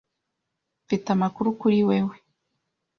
Mfite amakuru kuri wewe.